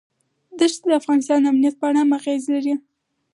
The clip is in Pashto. دښتې د افغانستان د امنیت په اړه هم اغېز لري.